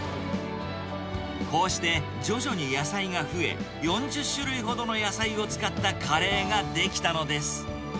こうして徐々に野菜が増え、４０種類ほどの野菜を使ったカレーが出来たのです。